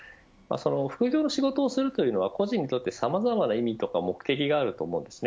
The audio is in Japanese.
副業の仕事をするというのは個人にとってさまざまな意味や目的があります。